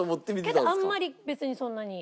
けどあんまり別にそんなに。